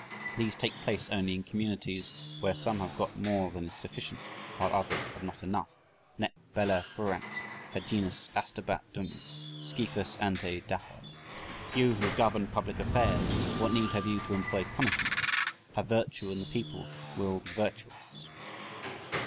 These take place only in communities where some have got more than is sufficient while others have not enough Nec bella fuerunt, Faginus astabat dum Scyphus ante dapes You who govern public affairs, what need have you to employ punishments? Have virtue and the people will be virtuous."